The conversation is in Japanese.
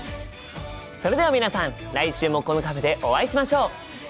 それでは皆さん来週もこのカフェでお会いしましょう！